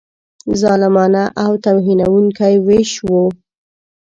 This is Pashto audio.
ظالمانه او توهینونکی وېش وو.